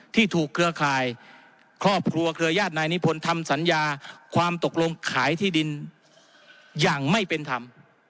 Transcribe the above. ที่ถูกเครือข่ายครอบครัวเครือญาตินายนิพนธ์ทำสัญญาความตกลงขายที่ดินอย่างไม่เป็นธรรม